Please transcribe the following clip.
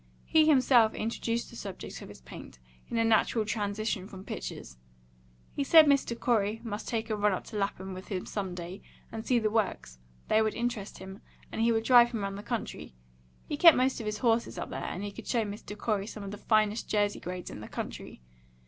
He himself introduced the subject of his paint, in a natural transition from pictures; he said Mr. Corey must take a run up to Lapham with him some day, and see the Works; they would interest him, and he would drive him round the country; he kept most of his horses up there, and he could show Mr. Corey some of the finest Jersey grades in the country.